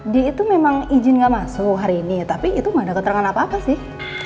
dia itu memang izin nggak masuk hari ini tapi itu nggak ada keterangan apa apa sih